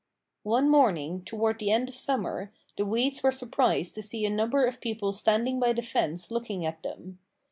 One morning, toward the end of summer, the weeds were surprised to see a number of people standing by the fence looking at them.